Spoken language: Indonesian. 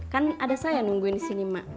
kan ada saya nungguin di sini mak